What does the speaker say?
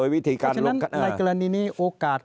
เพราะฉะนั้นในกรณีนี้โอกาส